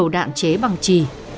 đạn chế bằng trì